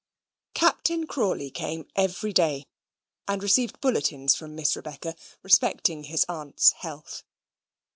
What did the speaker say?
Captain Crawley came every day, and received bulletins from Miss Rebecca respecting his aunt's health.